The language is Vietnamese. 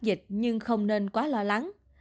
dịch nhưng không nên quá lo lắng